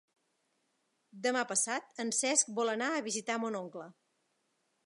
Demà passat en Cesc vol anar a visitar mon oncle.